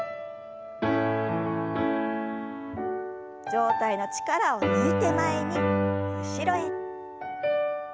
上体の力を抜いて前に後ろへ。